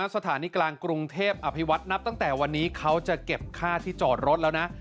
สถานีกลางกรุงเทพอภิวัตนับตั้งแต่วันนี้เขาจะเก็บค่าที่จอดรถแล้วนะ